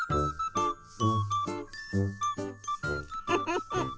フフフフ。